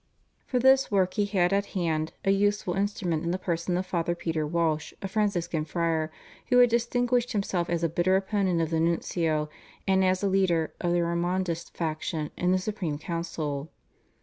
For this work he had at hand a useful instrument in the person of Father Peter Walsh, a Franciscan friar, who had distinguished himself as a bitter opponent of the nuncio and as a leader of the Ormondist faction in the Supreme Council.